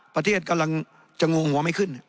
ประเทศกำลังจะงงหัวไม่ขึ้น